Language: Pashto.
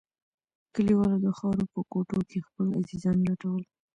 کليوالو د خاورو په کوټو کښې خپل عزيزان لټول.